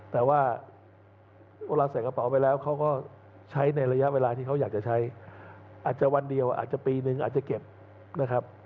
แต่ว่าเวลาใส่กระเป๋าไปแล้วเขาก็ใช้ในระยะเวลาที่เขาอยากจะใช้อาจจะวันเดียวอาจจะปีนึงอาจจะเก็บนะครับ